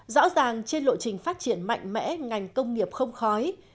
rõ ràng trên lộ trình phát triển mạnh mẽ ngành công nghiệp không khói